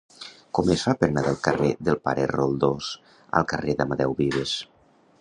Com es fa per anar del carrer del Pare Roldós al carrer d'Amadeu Vives?